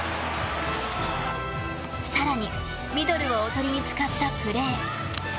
さらにミドルをおとりに使ったプレー。